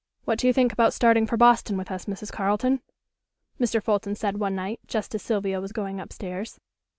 "What do you think about starting for Boston with us, Mrs. Carleton?" Mr. Fulton said one night just as Sylvia was going up stairs.